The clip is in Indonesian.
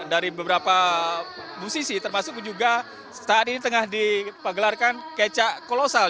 dan dari beberapa musisi termasuk juga saat ini tengah dipagelarkan kecak kolosal